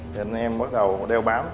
thì anh em bắt đầu đeo bám